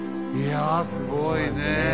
いやすごいねえ！